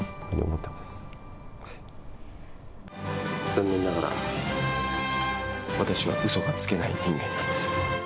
残念ながら私はうそがつけない人間なんです。